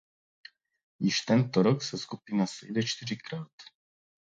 Již tento rok se skupina sejde čtyřikrát.